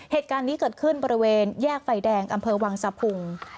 เหตุการณ์นี้เกิดขึ้นบริเวณแยกไฟแดงอำเภอวังสะพุง